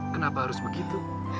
kenapa harus begitu